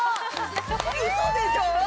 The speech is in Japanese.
嘘でしょ！？